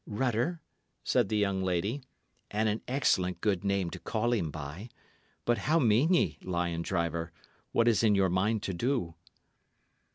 "Rutter," said the young lady; "and an excellent good name to call him by. But how mean ye, lion driver? What is in your mind to do?"